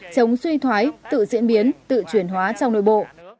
chống suy thoái tự diễn biến tự chuyển hóa trong nội bộ